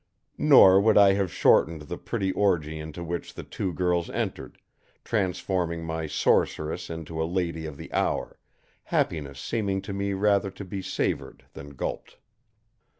Nor would I have shortened the pretty orgy into which the two girls entered, transforming my sorceress into a lady of the hour; happiness seeming to me rather to be savored than gulped.